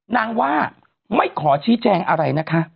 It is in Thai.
นางว่าไม่ขอชี้แจงอะไรนะคะ